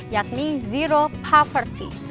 yakni zero poverty